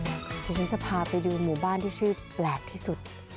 เดี๋ยวฉันจะพาไปดูหมู่บ้านที่ชื่อแปลกที่สุด